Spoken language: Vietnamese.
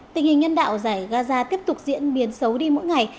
tình hình nhân đạo giải gaza tiếp tục diễn biến xấu đi mỗi ngày